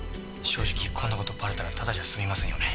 正直こんな事バレたらただじゃ済みませんよね。